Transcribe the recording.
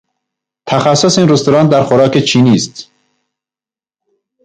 تخصص این رستوران در خوراک چینی است.